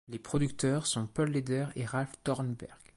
Les producteurs sont Paul Leder et Ralph Tornberg.